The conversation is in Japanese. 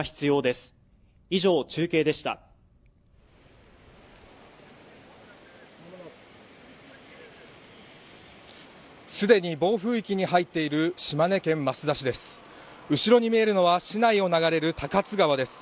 すでに暴風域に入っている島根県益田市です